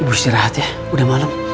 gue harus istirahat ya udah malem